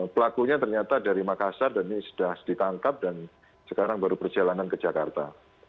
pelakunya ternyata dari makassar dan ini sudah ditangkap dan sekarang baru perjalanan ke jakarta